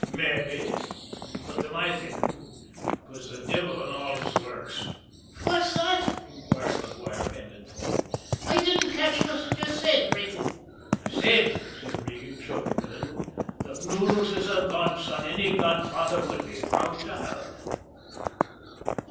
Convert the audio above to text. "Mabbe but to my thinking 'twas the devil and all his works." "Fwhat's thot?" inquired Maguire, bending forward. "I didn't catch fwhat yez said, Regan." "I said," said Regan, choking a little, "that Noodles is a godson any godfather would be proud to have."